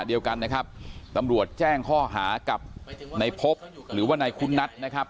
เดียวกันนะครับตำรวจแจ้งข้อหากับนายพบหรือว่านายคุณนัทนะครับ